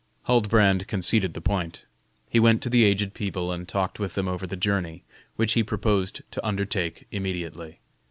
Huldbrand conceded the point; he went to the aged people and talked with them over the journey, which he proposed to undertake immediately.